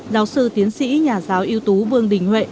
giáo sư tiến sĩ nhà giáo yếu tố vương đình huệ